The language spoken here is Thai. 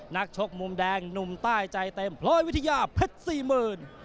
นักชกมุมแดงหนุ่มใต้ใจเต็ม๑๐๐วิทยาเพชร๔๐๐๐๐